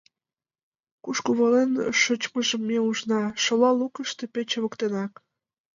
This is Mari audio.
— Кушко волен вочмыжым ме ужна: шола лукышто, пече воктенак.